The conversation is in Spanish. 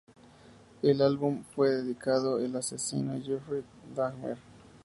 El álbum fue dedicado al asesino Jeffrey Dahmer.